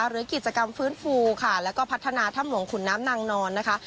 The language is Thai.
หรือกิจกรรมฟื้นฟูค่ะแล้วก็พัฒนาถ้ำหลวงขุนน้ำนางนอนนะคะ